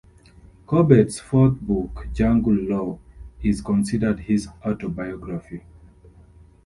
Corbett's fourth book, "Jungle Lore", is considered his autobiography.